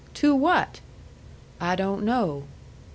"Two what?" "I don't know."